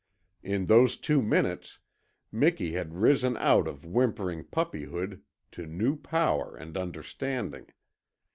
In those two minutes Miki had risen out of whimpering puppyhood to new power and understanding.